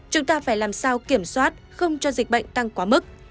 chúng ta phải làm sao kiểm soát không cho dịch bệnh tăng quá mức